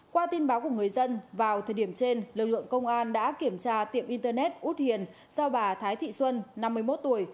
qua tin báo của người dân vào thời điểm trên lực lượng công an đã kiểm tra tiệm internet út hiền do bà thái thị xuân năm mươi một tuổi